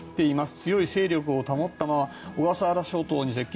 強い勢力を保ったまま小笠原諸島に接近。